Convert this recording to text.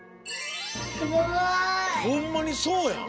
すごい！ほんまにそうやん。